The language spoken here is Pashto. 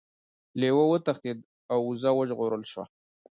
لیوه وتښتید او وزه وژغورل شوه.